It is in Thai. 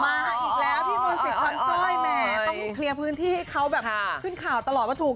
แม้ต้องเคลียร์พื้นที่เขาแบบขึ้นข่าวตลอดว่าถูก